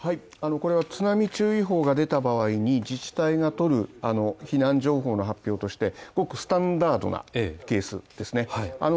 これは津波注意報が出た場合に、自治体がとる、避難情報の発表としてごくスタンダードなケースですね